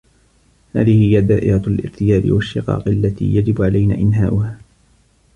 هذه هي دائرة الارتياب والشقاق التي يجب علينا إنهاءها.